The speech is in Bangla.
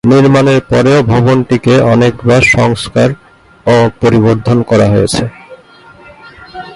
নির্মাণের পরেও ভবনটিকে অনেক বার সংস্কার অ পরিবর্ধন করা হয়েছে।